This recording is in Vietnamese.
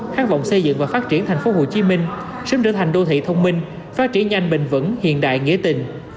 khát vọng xây dựng và phát triển tp hcm sớm trở thành đô thị thông minh phát triển nhanh bình vững hiện đại nghĩa tình